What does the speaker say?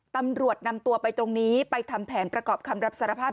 ตำรวจนำตัวไปตรงนี้ไปทำแผนประกอบคำรับสารภาพ